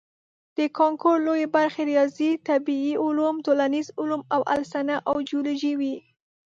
د کانکور لویې برخې ریاضي، طبیعي علوم، ټولنیز علوم او السنه او جیولوجي وي.